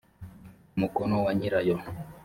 umukono wa nyirayo